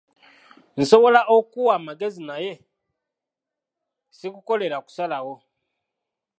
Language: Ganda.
Nsobola okukuwa amagezi naye si kukolera kusalawo.